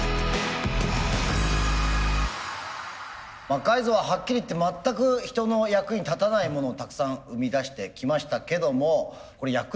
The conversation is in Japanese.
魔改造ははっきり言って全く人の役に立たないものをたくさん生み出してきましたけどもこれ役に立つんでしょうか？